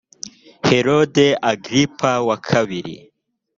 herode agiripa wa kabiri